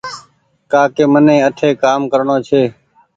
ڪآ ڪي مني آٺي ڪآم ڪرڻو ڇي